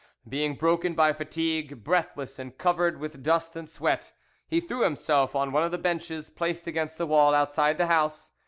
Being broken by fatigue, breathless, and covered with dust and sweat, he threw himself on one of the benches placed against the wall, outside the house.